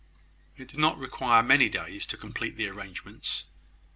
It did not require many days to complete the arrangements.